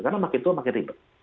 karena makin tua makin ribet